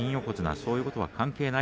そういうことは関係ない。